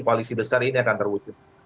koalisi besar ini akan terwujud